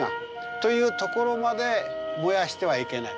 というところまで燃やしてはいけない。